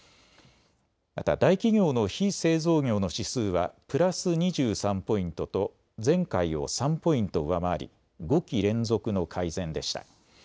また大企業の非製造業の指数はプラス２３ポイントと前回を３ポイント上回り５期連続の改善でした。